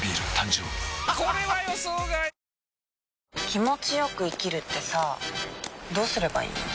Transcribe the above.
気持ちよく生きるってさどうすればいいの？